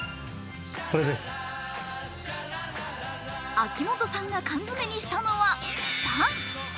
秋元さんが缶詰にしたのはパン。